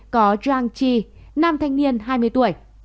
có zhang qi nam thanh niên hai mươi tuổi